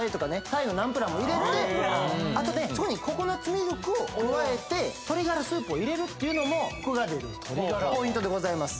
タイのナンプラーも入れてそこにココナッツミルクを加えて鶏がらスープを入れるっていうのもコクが出るポイントでございます